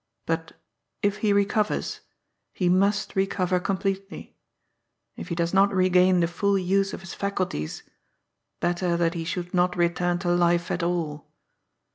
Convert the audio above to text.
But, if he recovers, he must re cover completely. If he does not regain the full use of his faculties, better that he should not return to life at all.